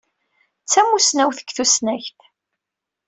D tamussnawt deg tussnakt.